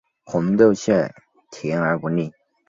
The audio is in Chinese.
红豆馅甜而不腻